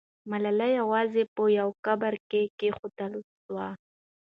ملالۍ یوازې په یو قبر کې کښېښودل سوه.